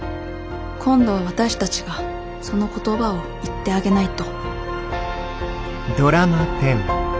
今度は私たちがその言葉を言ってあげないと。